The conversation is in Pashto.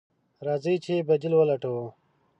راځئ چې بديل ولټوو.